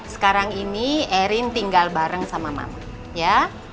sekarang ini erin tinggal bareng sama mama ya